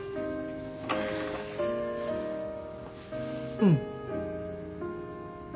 うん。